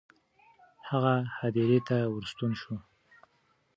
هغه هدیرې ته ورستون شو.